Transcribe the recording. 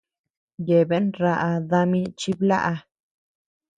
Yeabean raʼa dami chiblaʼa.